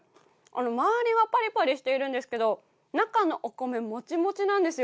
周りはパリパリしてるんですけど中のお米、もちもちなんですよ。